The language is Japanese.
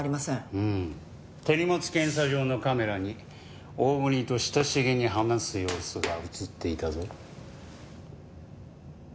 うん手荷物検査場のカメラに大國と親しげに話す様子が映っていたぞ。